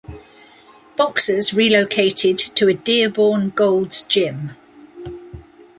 Boxers relocated to a Dearborn Gold's Gym.